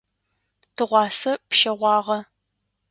Тыгъуасэ пщэгъуагъэ.